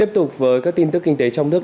tiếp tục với các tin tức kinh tế trong nước